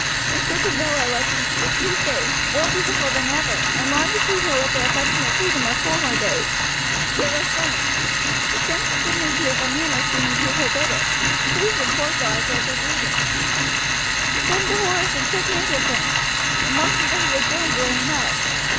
Mr. Travilla looked into the sweet face, more beautiful than ever, and longed to treat her with the affectionate freedom of former days, yet refrained; the gentle dignity of her manner seeming to forbid it, pleased and cordial as was her greeting. He turned to Horace and shook hands with him, remarking that he had grown very much.